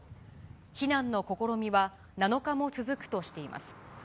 避難の試みは７日も続くとしています。